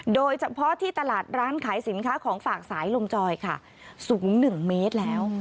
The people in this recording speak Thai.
โดยเฉพาะที่ตลาดร้านขายสินค้าของฝากสายลมจอยค่ะสูง๑เมตรแล้ว